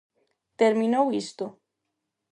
Terminou isto.